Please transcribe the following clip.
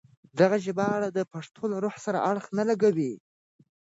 دغه ژباړه د پښتو له روح سره اړخ نه لګوي.